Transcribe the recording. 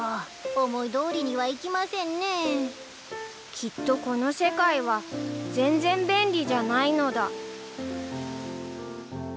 ［きっとこの世界は全然便利じゃないのだ］